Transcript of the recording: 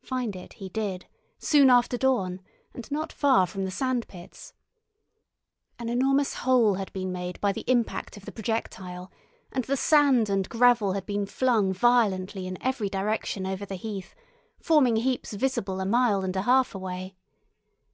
Find it he did, soon after dawn, and not far from the sand pits. An enormous hole had been made by the impact of the projectile, and the sand and gravel had been flung violently in every direction over the heath, forming heaps visible a mile and a half away.